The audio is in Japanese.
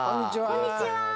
こんにちは。